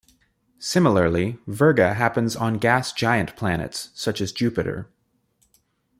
Similarly, virga happens on gas giant planets such as Jupiter.